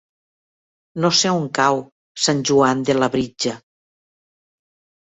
No sé on cau Sant Joan de Labritja.